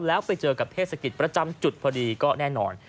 แล้วไปเจอกับเทศกิจประจำจุดพอดีก็แน่นอน